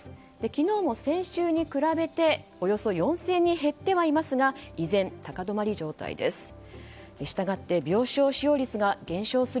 昨日も先週に比べておよそ４０００人減っていますが依然、高止まり状態です。